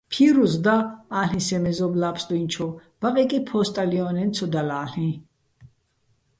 ფირუზ და-ალ'იჼ სე მეზობლა́ ბსტუ́ჲნჩოვ, ბაყეკი ფო́სტალიო́ნეჼ ცო დალო̆-ა́ლ'იჼ.